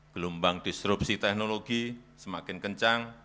gelombang disrupsi teknologi semakin kencang